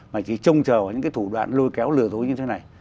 mà chỉ trông chờ vào những cái thủ đoạn lôi kéo lừa thối như thế này